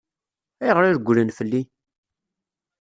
Ayɣer i regglen fell-i?